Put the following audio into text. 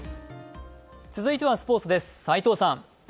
続いてはスポーツです、齋藤さん。